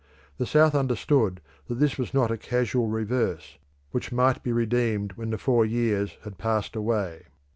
The South understood that this was not a casual reverse, which might be redeemed when the four years had passed away.